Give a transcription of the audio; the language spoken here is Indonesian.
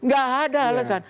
gak ada alasan